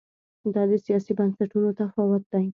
دا د سیاسي بنسټونو تفاوت دی.